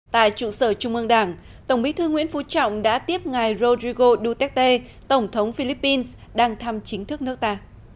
tại trụ sở trung ương đảng tổng bí thư nguyễn phú trọng đã tiếp ngài rodrigo duterte tổng thống philippines đang thăm chính thức nước ta